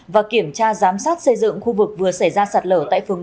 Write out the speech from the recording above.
và kiểm tra giám sát xây dựng khu vực vừa xảy ra sạt lở tại phường một mươi